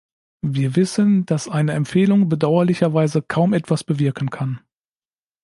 Wir wissen, dass eine Empfehlung bedauerlicherweise kaum etwas bewirken kann.